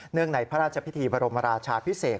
ในพระราชพิธีบรมราชาพิเศษ